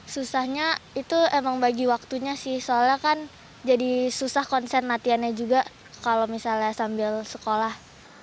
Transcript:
susahnya itu emang bagi waktunya sih soalnya kan jadi susah konsen latihannya juga kalau misalnya sambil sekolah